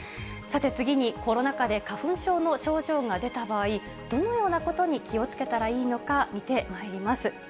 さて次に、コロナ禍で花粉症の症状が出た場合、どのようなことに気をつけたらいいのか、見てまいります。